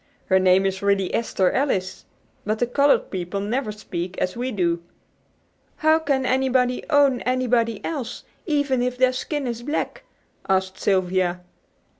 Her name is really Esther Alice. But the colored people never speak as we do." "How can anybody 'own' anybody else, even if their skin is black?" asked Sylvia.